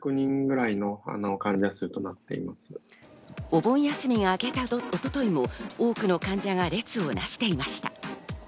お盆休みが明けた一昨日も多くの患者が列をなしていました。